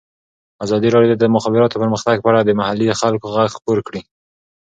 ازادي راډیو د د مخابراتو پرمختګ په اړه د محلي خلکو غږ خپور کړی.